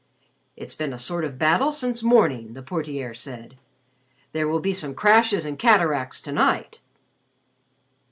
"It's been a sort of battle since morning," the ___portier___ said. "There will be some crashes and cataracts to night."